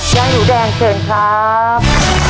ยายหนูแดงเชิญครับ